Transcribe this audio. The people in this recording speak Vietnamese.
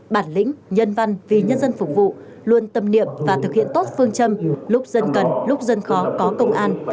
bản lĩnh nhân văn vì nhân dân phục vụ luôn tâm niệm và thực hiện tốt phương châm lúc dân cần lúc dân khó có công an